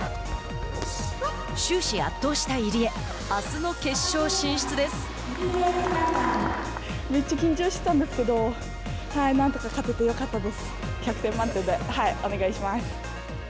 終始圧倒した入江あすの決勝進出です。